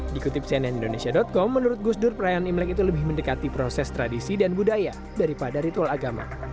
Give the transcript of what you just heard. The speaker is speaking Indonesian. dikutip cnn indonesia com menurut gusdur perayaan imlek itu lebih mendekati proses tradisi dan budaya daripada ritual agama